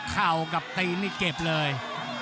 เข่ากับตีนนี่เก็บเลย